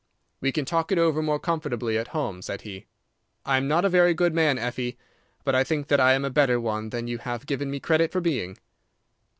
"We can talk it over more comfortably at home," said he. "I am not a very good man, Effie, but I think that I am a better one than you have given me credit for being."